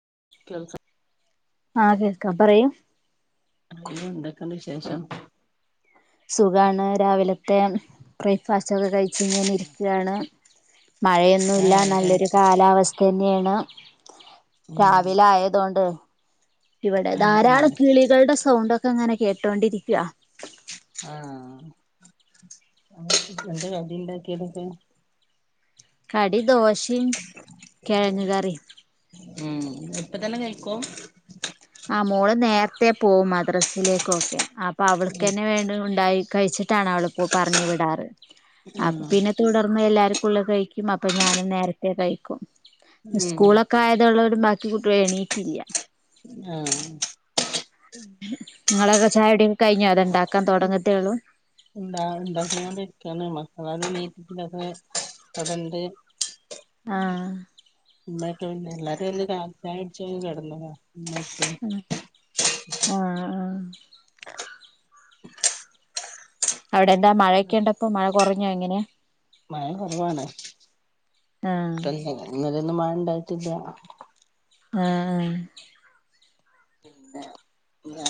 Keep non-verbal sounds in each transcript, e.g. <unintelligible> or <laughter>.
<unintelligible> ആ കേൾക്ക പറയൂ എന്തൊക്കെ ണ്ട് വിശേഷം സുഖാണ് രാവിലത്തെ ബ്രക്ഫാസ്റ്റൊക്കെ കഴിച്ച് ങ്ങനെ ഇരിക്കാണ് മഴയൊന്നും ഇല്ല ആഹ് നല്ലൊരു കഴിച്ചു കാലവസ്ഥയാണ് ആ ഉം രാവിലായതോണ്ട് ഇവിടെ ആഹ് ധാരാളം കിളികള് ടെ സൗ സൗണ്ടക്കെങ്ങനെ കേട്ടോണ്ടിരിക്ക ആ <inaudible> കടി ദോ ശിം കിഴങ്ങ് കറിം ഉം ഇപ്പ തന്നെ കഴിക്കും ത്തേ പോകും മദ്റസയിലേക്കൊക്കെ ആ പ അവൾക്കഞ്ഞെ വേണ്ടത് ഉ കയി കയിച്ചിട്ടാണോ അവള് പറഞ്ഞ് വിടാറ് അപ്പ ഉം പിന്നെ തുടർ <unintelligible> എല്ലാർക്കും ഒള്ള കയിക്കും അപ്പൊ ഞാനും നേരുത്തേ കയിക്കും മ്മ് <unintelligible> ബാക്കികുട്ടികളും എണീറ്റില്ല. ആ നിങ്ങളെയൊക്കെ ചായകുടിയൊക്കെ കഴിഞ്ഞോതോ ഇണ്ടാകാൻ തുട ങ്ങത്തെയുള്ളു ണ്ട ഇണ്ടാക്കികൊണ്ടിരിക്കാണ് മക്കളാരും എണീറ്റിട്ടില്ലാ അപ്പൊ അതണ്ട് ആഹ് എല്ലാരും ഇന്ന് കാ ചായുടിച്ചഴിഞ്ഞ് കിടന്നത ഓക്കെ ആഹ് ആഹ് അവിടെ എന്താ മഴയക്കെണ്ടപ്പൊ മഴ കൊറഞ്ഞോ എങ്ങനെയ മഴ കുറവാണ് ആഹ് ന്നും മണ്ടായിട്ടില്ല ആഹ് പിന്നെ ഞാ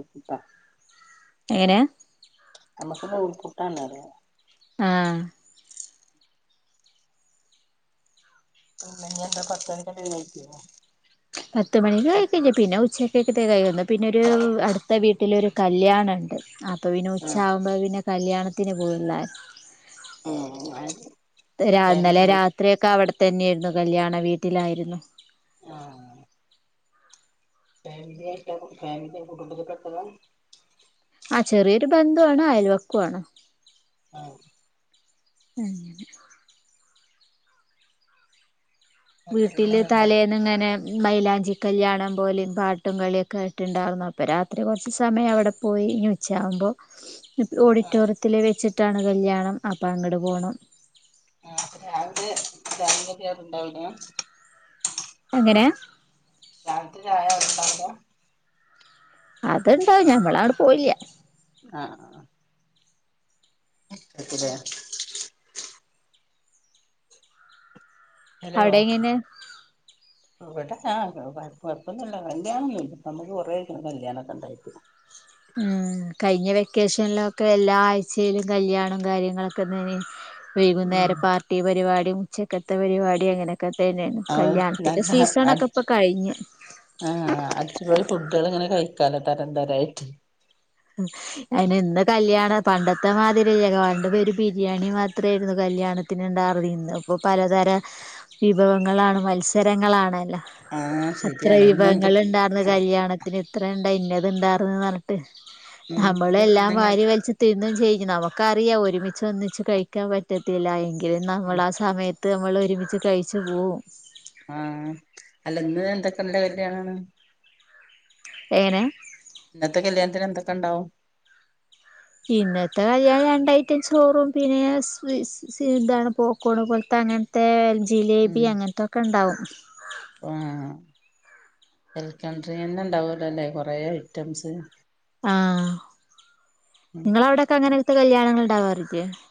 <unintelligible> എങ്ങനെയാ നമ്മുക്ക്നൂൽ പു <unintelligible> ആഹ് പിന്നിഞ്ഞിന്താ പത്ത് <unintelligible> പത്ത് മണി ആയിക്കഴിഞ്ഞ പിന്നെ ഉച്ച <unintelligible> പിന്നൊരു അടുത്ത വീട്ടിലൊരു കല്യാണണ്ട് അപ്പൊ പിന്നെ ഉച്ച ആഹ് ആവുമ്പോ പിന്നെ കല്യാണ ത്തിന് പോകും ണ്ണാൻ <inaudible> ത്ത് ഇന്നലെ ഫാമിലി രാത്രി ഒക്കെ അവിടെ തന്നെയായിരുന്നു കല്യാണ വീട്ടിൽ ആയിരുന്നു ആ <inaudible> ആ ചെറിയൊരു ബന്ധുവാണ് അയല്‍വക്കവാണ് ആ ഉം എന്നിട്ട് പിന്നെ വീട്ടിലെ കല്യാണം തലേന്ന് അങ്ങനെ മൈലാഞ്ചി ഞ്ചി കല്യാണം പോലെ പാട്ടും കളിയൊക്കെയായിട്ട് ഉണ്ടാറുന്നു അപ്പോ രാത്രി കുറച്ച് സമയം അവിടെ പോയി ഇനി ഉച്ചആവുമ്പോ ആഹ് ഓഡിറ്റോറിയത്തിൽ വച്ച് ട്ടാണ് കല്യാണം അപ്പോഅങ്ങോട് പോണം <unintelligible> എങ്ങനെ രാവിലത്തെ ചായ ണ്ടാക്ക അതണ്ടാവുംനമ്മളട് പോയില്ല അആ <inaudible> ഹലോ അവിടെ എങ്ങനെ ഇവിടെ ഞാൻ കുഴപ്പമൊന്നുമില്ല കല്യാണം ഒന്നുമില്ല നമുക്ക് കുറേയായി കല്യാണം ണ്ടായിട്ട് ഉം കഴിഞ്ഞ വെക്കേഷനിലേക്ക് എല്ലാ ആഴ്ചയിലും കല്യാണം കാര്യങ്ങളൊക്കെ ര്ന്നേന് ഉം വൈകുന്നേരം പാർട്ടി പരിപാടി ഉച്ചകത്തെ പരിപാടി അങ്ങനെ അ ഇപ്പോൾ കഴിഞ്ഞ് ആ അടിച്ചുപൊളി ഫുഡ്കള് ഇങ്ങനെ കഴിക്കാലോ തരംതരായിട്ട് ഉം അയിന് എന്ന്കല്യാണം പണ്ടത്തെ മാതിരി ബിരിയാണി മാത്രമായിരുന്നു കല്യാണത്തിന് ഉണ്ടായിരുന്നുള്ളൂ ഇന്ന് ഇപ്പൊ പലതരം വിഭവങ്ങളാണ് മത്സരങ്ങൾ ആണല്ലോ ആഹ് എത്ര ശരിയാണ് ഇന്ന് വിഭവങ്ങൾ എന്തൊക്കെ ഉണ്ടാർന്നു കല്യാണത്തിന് ത്രണ്ടാ ഇന്നത് ഉണ്ടാർന്നു ന്ന് പറഞ്ഞിട്ട് ഉം ഇന്ന് നമ്മളെല്ലാം ഇന്നിങ്ങനെ വാരിവലിച്ച് തിന്നുവേ ചെയ്യും നമുക്കറിയാം ഒരുമിച്ച് ഒന്നിച്ച് കഴിക്കാൻ പറ്റത്തില്ല എന്ന് ഇത് ഉം നമ്മൾ ആ സമയത്ത്- ത്ത് നമ്മൾ ഒരുമിച്ച് കഴിച്ചു പോകും ആ അല്ല ഇന്ന് എന്തൊക്കെ ഇന്നലെ വരുന്ന ആളാണ് എങ്ങനെ ഇന്നത്തെ കല്ലിയാണതിനു എന്തൊക്കെ ഉണ്ടാവും <unintelligible> ജിലേബി ഉം അങ്ങനെതൊക്കെ ഇണ്ടാവും വെൽകം ഡ്രിങ്ക് തന്നെ ഇണ്ടാവലോല്ലെ കൊറേ ഐറ്റംസ് ആ നിങ്ങടെ അവിടെക്കെ എങ്ങനെ മ കല്യാനങ്ങങ്ങൾ ഉണ്ടാവാറി-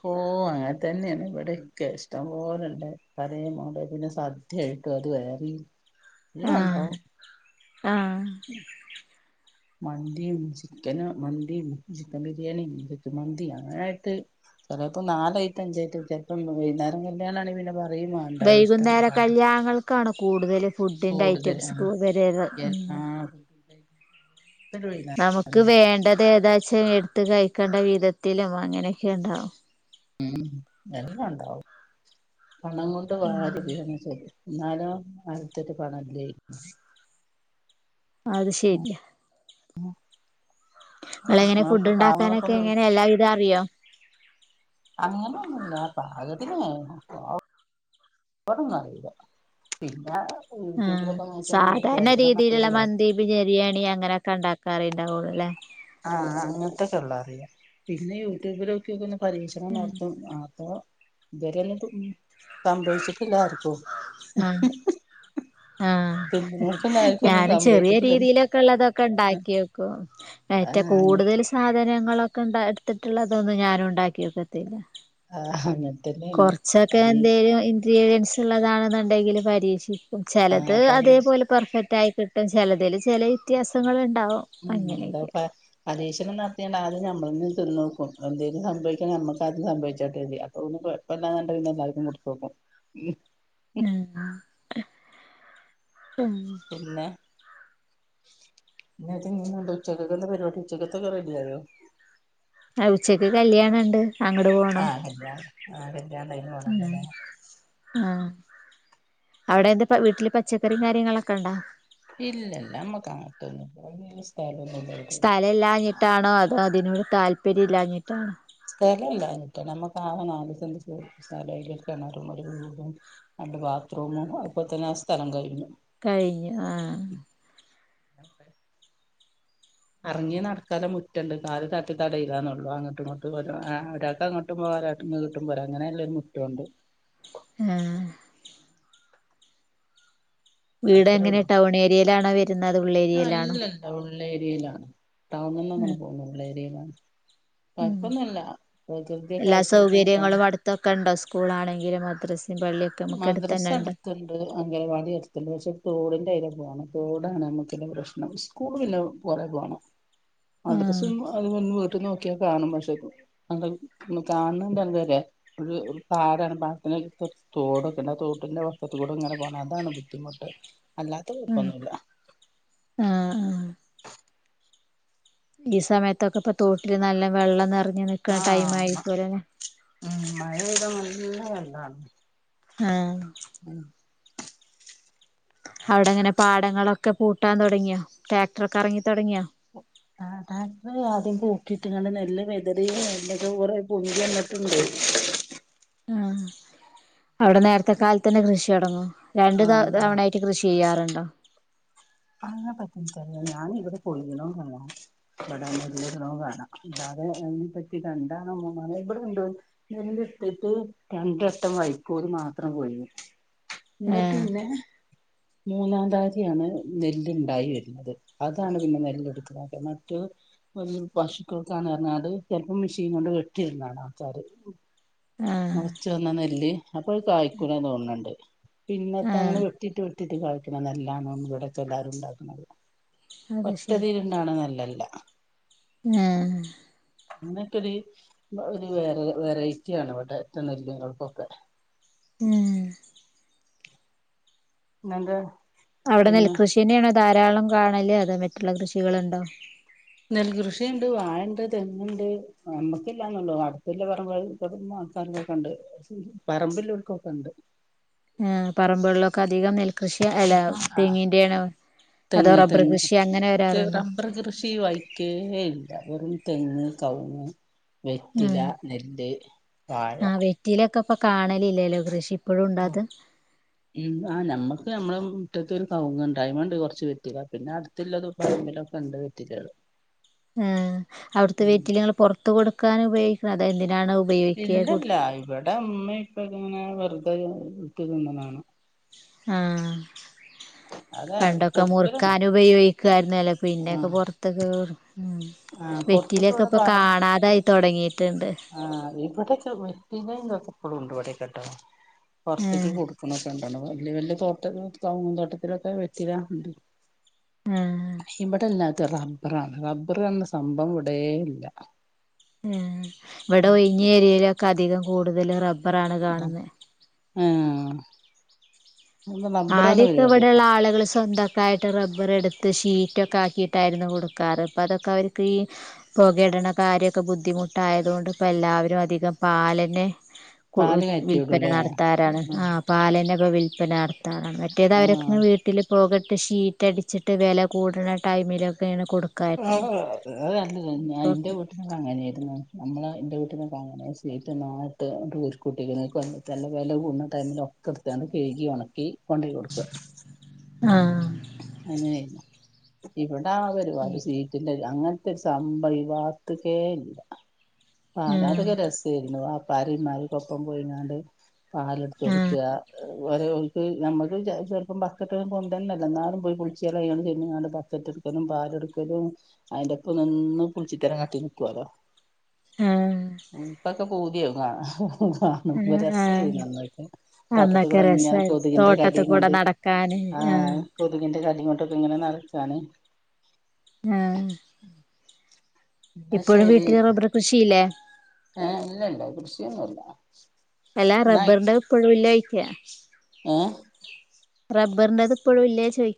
ഓ അങ്ങ തന്നെയാണ് ഇവിടെ എക്കെ ഇഷ്ടം പോലണ്ട് കയ മോണ്ട പിന്നെ സദ്യ ആയിട്ടു അത് വേരെയും ആഹ് ആഹ് മന്തിയും ചിക്കന് മന്തിയും ചിക്കൻ ബിരിയാണിയും ച മന്തി അങ്ങനായിട്ട് ചിലപ്പോ നാലായിട്ട് അഞ്ചായിട്ടും ചിലപ്പോ വൈകുന്നേരം കല്യാണ ആണെ പിന്നാ വൈകുന്നേര കല്യാണങ്ങൾക്കാണ് കൂടുതലും ഫുഡിന്റെ കൂടുതൽ ആ ഐറ്റംസ് വര ഉം ആഹ് നമുക്ക് വേണ്ടത് ഏതാ ച്ചേ എടുത്ത് കഴിക്കണ്ട വിധത്തിലും അങ്ങനെയൊക്കെ ഉണ്ടാവും ഉം എല്ലാം ഉണ്ടാവും പണം കൊണ്ട് വാരി <unintelligible> എന്നാലും അടുത്തട്ട് പണല്ലേ അത് ശരിയാ ആ നിള എങ്ങനെ ഫുഡ് ഉണ്ടാക്കാനൊക്കെ എങ്ങനെ എല്ലാവിധം അറിയോ അങ്ങനെയൊന്നുമല്ല പാകതിനേ പിന്നെ ഒന്നും അറിയില്ല പിന്നെ ആ യൂട്യൂബിലൊക്കെ നോക്കി സാധാരണ രീതിയിലുള്ള ചോദിക്കണം മന്തി ബിരിയാണി അങ്ങനെയൊക്കെ ഉണ്ടാക്ക കറി ഉണ്ടാവൂലേ അല്ലേ ആ അങ്ങനത്തെക്കെ ഉള്ള അറിയാം പിന്നെ യൂട്യൂബിലോക്കിക്ക പരീക്ഷണം നടത്തും ആ അപ്പോ ഇതുവരെ ഒന്നും തിന്ന് സംഭവിച്ചിട്ടില്ലാ ആർക്കും ആഹ് ആഹ് തിന്നുന്നോർക്കൊന്നും ആർക്കും ഒന്നും ഞാനും ചെറിയ സംഭവിച്ചിട്ടില്ല രീതിയിലൊക്കെ ഉള്ളതൊക്കെ ഉണ്ടാക്കി വെക്കും ഏറ്റ ആഹ് അങ്ങനത്തെ കൂടുതൽ സാധന ഞങ്ങളൊക്കെ ഇണ്ട എടുത്തിട്ടുള്ളതൊന്നും ഞാനും ഉണ്ടാക്കി വെക്കത്തില്ല ആ അങ്ങനെ തന്നെയാണ് കൊറച്ചൊക്കെ പരീക്ഷ എന്തെലും എക്സ്പീരിയൻസ് ഉള്ളതാണെന്നുണ്ടെങ്കിൽ പരീക്ഷിക്ക ചിലത് ആഹ് പരീക്ഷ അതേപോലെ പെർഫെക്റ്റ് ആയി കിട്ടും ചിലതിൽ ചെല വ്യത്യാസങ്ങള്ണ്ട്. ഉം ത് പ പരീശണം നടത്യാണ്ട് അ ത് നമ്മളെന്നെത് തിന്നോക്കും എന്തേലും സംഭവിക്കാണെങ്കി ഞമ്മക്കാദ്യം സംഭവിച്ചോട്ടെ അപ്പൊ വല്യ കൊയപ്പല്ല ന്നുണ്ട എല്ലാർക്കും കൊടുത്തു നോക്കും ഉം ഞങ്ങ ഉം ഉച്ചക്കക്കെന്താ പരിപാടി ഉച്ചക്കത്തൊക്കെ റെഡിയായോ ആഹ് ഉച്ചക്ക് കല്യാണണ്ട് അങ്ങട് പോണം ആഹ് കല്യാണം ആഹ് കല്യാണം ണ്ടല്ലെയ്‌ൻ പോണല്ലോ ഉം ലേ അവിടെന്ത് വീട്ടില് പച്ചക്കറിം കാര്യങ്ങളൊക്കെ ണ്ടോ ഇല്ലല്ല മ്മക്ക് അങ്ങത്തൊന്നും <unintelligible> സ്ഥലല്ലാഞ്ഞിട്ടാണോ അതോ അ അതിനോട് താല്പര്യം ല്ലാഞ്ഞിട്ടാണോ സ്ഥലല്ലാഞ്ഞിട്ട മക്ക് ആകെ നാല് സെന്റ് സ്ഥലോം അയിൽ ഒര് കെണറും ഒര് വീടും രണ്ട് ബാത്റൂമും അപ്പ തന്നെ ആ സ്ഥലം കഴിഞ്ഞു. കഴിഞ് ആഹ് അറങ്ങി നടക്കാള്ള മുറ്റണ്ട് കാല് തട്ടി തടയില്ലന്നൊള്ളു അങ്ങട്ടും ഇങ്ങട്ടും ഒര് ആ ഒരാക്ക് അങ്ങോട്ടും പോവ ഒരാക്ക് ങ്ങട്ടും പോര അങ്ങനെ ല്ലരു മുറ്റണ്ട് ആഹ് വീട് അത്രേ എങ്ങനെ ഒള്ളൂ ടൗൺ ഏരിയയിലാണോ വരു അത് ഉള്ളേരിയേലാണോ ള്ളേര്യയിലാ ടൗണ്ന്നൊന്നണ്ട് പോന്നുള്ളേര്യയിലാണ് ഉം പ്രകൃതിയൊക്കെ എല്ലാ ആസ്വദിക്കാൻ നിക്കാൻ സൗകര്യങ്ങളും അടുത്തൊക്കെ ണ്ടോ സ്കൂളാണെങ്കിലും അ ത്രസ് മദ്രസ അടുത്തുണ്ട് അംഗനവാടി അടുത്തുണ്ട് പക്ഷെ തോടിന്റെ അയ് പോണ തോടാണ് നമ്മുക്കെന്നെ പ്രശ്നം സ്കൂളിന്നെ കൊറെ പോണം ആഹ് മദ്രസും ആ <unintelligible> ട്ട് നോക്കിയാ കാണും പഷേ കാണ്ണ്ട് അങ്ങ് വരെ ഒരു പാടാണ് പാടത്തിന്റെ ഇപ്പൊ തോടൊക്കെണ്ട് ആ തോട്ടിന്റെ വക്കത്ത് കൂടെ ങ്ങനെ പോണം അതാണ് ബുദ്ധിമുട്ട് അല്ലാത്ത ആഹ് കൊഴപ്പന്നുല്ല ആഹ് ആഹ് ഈ സമയത്തൊക്കെ ഇപ്പൊ തോട്ടില് നല്ല വെള്ളം നെറ ഞ്ഞ് നിക്കണ ടൈം ആഹ് ആയിരിക്കുലേ ഉം മഴ പെയ്താ നല്ല വെള്ളാണ് ആഹ് ഉം അവിടെങ്ങനെ പാടങ്ങളൊക്കെ പൂട്ടാൻ തൊടങ്ങിയൊ ട്രാക്ടറൊക്കെറങ്ങി തൊടങ്ങിയൊ ആ ടാക്റ്റർ ആദ്യം പൂട്ടിട്ട്ക്കണ്ട് നെല്ല് വെതറി <unintelligible> കൊറെ പൊന്തി വന്ന്ട്ട്ണ്ട് ആഹ് അവിടെ നേരത്തെ കാലത്തന്നെ കൃഷി തൊടങ്ങുവോ രണ്ടു ത ആഹ് ആഹ് തവണയായിട്ട് കൃഷി ചെയ്യാറുണ്ടോ അങ്ങനെ പറ്റി എൻക് അറിയാ ഞാന് ഇവിടെ പൊഴിയണോ കാണാം ഇവിടല്ലടണ കാണാം ഇല്ലാതെ അതിനെ പറ്റി രണ്ടാണോ മൂന്നാണോ ഇവിടെ ഇണ്ടോ നെല്ല് ഇട്ടിട്ട് രണ്ടട്ടം വൈക്കോല് മാത്രം പൊഴിഞ്ഞു ആഹ് എന്നിട്ട്ന്നെ മൂന്നാം തകതിയാണ് നെല്ല്ണ്ടായി വരുന്നത് അതാണ് പിന്നെ നെല്ല് എടുക്കുന്നതൊക്കെ മറ്റു പുല്ല് പശുക്കൾക്കാണ് പറഞ്ഞാട് ചെലപ്പോ മെഷീൻ കൊണ്ട് വെട്ടി ഇട്ന്ന കാണാ ആൾക്കാര് ആഹ് മോളച്ച് വന്ന നെല്ല് അപ്പൊ അത് കായ്ക്കൂല തോന്നണ് ണ്ട് പിന്നത്തെ അങ്ങനെ ആഹ് വെട്ടിട്ട് വെട്ടിട്ട് കായ്ക്കുന്ന നെല്ലാണ് ഇവിടൊക്കെ എല്ലാരും ഒണ്ടാക്കണത് അത് ശരി ഒറ്റതില് ഇണ്ടാവണ നെല്ലല്ല ആഹ് അന്നൊക്കൊ ഒരു ഒരു വെറ വെറൈറ്റി ആണ് വ <unintelligible> ഉം ന്നെന്താ അവിടെ നെൽകൃഷിന്നെയാണോ ധാരാളം കാണല് അതോ മറ്റുള്ള കൃഷികളുണ്ടോ നെൽകൃഷിണ്ട് വാഴണ്ട് തെങ്ങ്ണ്ട് നമ്മക്കില്ലാന്നൊള്ളു അട്ത്തില്ലെ പറമ്പകൾ <unintelligible> ആൾക്കാർക്കൊക്കെ ഉണ്ട് പറമ്പില്ലോർകൊക്കെ ഇണ്ട് ഏഹ് പറമ്പ്കളിലൊക്കെ അധികം നെൽ അതോ തെങ്ങ് റബ്ബർ തെങ്ങ് കൃഷി അങ്ങനെ വരാറുണ്ടോ റബ്ബർ കൃഷി ഈ വയിക്കേ ഇല്ല വെറും തേങ്ങ് കവുങ്ങ് വെറ്റില ആഹ് നെല്ല് വാഴ ഇപ്പ കാണലില്ലല്ലോ കൃഷി ഇപ്പോഴും ഉണ്ടോ അത് ഉം ആഹ് നമ്മക്ക് ഞമ്മള അറ്റത്ത് ഒരു കവുങ്ങ് ഇണ്ട് അയ്മ്മ ഇണ്ട് കുറച്ച് വെറ്റില പിന്നെ അടുത്തില്ലത് <unintelligible> ക്കെ ഇണ്ട് വെറ്റിലകൾ ഉം അവിടത്തെ വെറ്റില ങ്ങൾ പുറത്ത് കൊടു ക്കൻ ഉപയോഗിക്കണത് അത് എന്തിനാണ് ഉ ഇല്ലല്ല ഇവിടെ മ് ഉമ്മേം ഇപ്പേം ക്കെ ഇങ്ങനെ വെറുതെ ഇട്ട്ക്ക്‌ന്നതാണ് ആഹ് അതെ പണ്ടൊക്കെ കൊടുക്കലാണ് മുറുക്കാൻ ഉപയോഗിക്കായിരുന്നല്ലോ അല്ലോ ആ പിന്നെക്കെ പൊറത്ത്ക്ക്‌ ആ പുറത്ത <unintelligible> ഇവിടെ കാണാതായി തുടങ്ങിയിട്ടുണ്ട് <unintelligible> ആ ഇവിടൊക്കെ വെറ്റിലേം ഇതൊക്ക ഇപ്പളും ഇണ്ട് ഇവിടൊക്കെ ട്ടോ പുറത്ത്ക്ക് ആഹ് കൊടുക്ക്‌ണൊക്കെ ഇണ് വിടെ വെല്യ വെല്യ തോട്ടത്തില് കവുങ്ങും തോട്ടത്തിലൊക്കെ വെറ്റില ഇണ്ട് ആഹ് ഇബ്ടല്ല റബ്ബറാണ് റബ്ബ് റ് പറഞ്ഞ സംഭവം ഇവിടേ ഇല്ല <inaudible> <unintelligible> കാണുന്നത് <inaudible> <unintelligible> ഇവിടെ റബ്ബറാണ് പരിപാടി <unintelligible> <unintelligible> <unintelligible> പാല് കയറ്റി വിടൂല്ലേ <inaudible> ആ <unintelligible> <unintelligible> ആഹ് അതല്ല ഞാൻ എന്റെ ഇപ്പൊക്കെ വീട്ടിനൊക്കെ അങ്ങനെയായിരുന്നു നമ്മള് എന്റെ വീട്ട് ണ്ട് ഒക്കെ അങ്ങനെ യാ ഷീറ്റ് <unintelligible> വെല കൂടുന്ന ടൈമില് ഒക്ക എടുത്തണ്ട് കഴുകി ഒണക്കി കൊണ്ട് പോയി കൊടുക്കും ആഹ് അങ്ങനെ ആയിരുന്നു ഇപ്പൊ ആഹ് ഒരുപാട് ഷീറ്റില്ലല്ലാ അങ്ങ് ഇത് സമ്പവി വാക്കുത്തെ ഇല്ല ആഹ് ആ അത് അതൊക്കെ രസമായിരുന്നു ബാപ് പരി മാറി കൊപ്പം പുഴുങ്ങാണ്ട് പാലെടുത്ത് ആ കൊടുക്കുക ഒരക്ക് നമ്മക്കും ചെലപ്പ ബക്കറ്റ് ഒക്കെ കൊണ്ട് വരണോല്ലോ എന്നാലും പോയി പുളിച്ച് കളയാതെ ബക്കറ്റ് എടുക്കലും പാലെടുക്കലും അതിന്റെ ഒപ്പം നിന്ന് പുളിച്ചിത്തരം കാട്ടി നിക്കുവല്ലോ ആ ആ ഉം പകം പൂതിയെങ്ങാണ് കാണുമ്പോ ആ രസമായിരുന്നു അന്നൊക്കെ അന്നൊക്കെ തോട്ടത്തിക്കുടിങ്ങനെ രസമായിരുന്നു കൊതുകിന്റെ തോട്ടത്തിൽ കടിയും കൂടെ കൊണ്ട് നടക്കാന് ആ ആഹ് കൊതുകിന്റെ കടിയും കൊണ്ട് ഉം ഇപ്പൊക്കേ ഇങ്ങനെ നടച്ചാനെ ആഹ് ഇപ്പോഴും വീട്ടിന് റബർ കൃഷിയില്ലേ ആഹ് ഇല്ലില്ല കൃഷിയൊന്നുമില്ല അല്ലാ റബ്ബറിന്റെ ഇപ്പോഴും ഇല്ലെയ് ക്യാഷ് ഏഹ് റബ്ബറിന്റേത് ഇപ്പോഴും ഇല്ലേ ചോയ്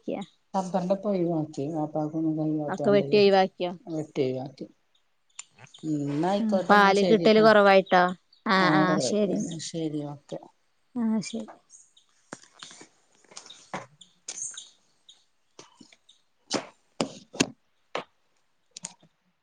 റബ്ബറിന്റെ ഇപ്പൊ ഒഴിവാക്കി ബാപ്പാക്കൊന്നും ഒക്കെ വയ്യാത്തൊണ്ടേ വെട്ടി വെട്ട് ചെയ്‌വ റ്റ് ആ പാല് കിട്ടല് ശരിട്ടോ കുറവായിട്ടോ ആഹ് ആഹ് കൊറവായി ശരി എന്നാ ശരി ഓക്കെ ആഹ് ശെരി <inaudible>